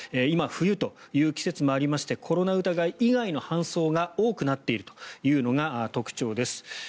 今、冬という季節もありましてコロナ疑い以外の搬送が多くなっているというのが特徴です。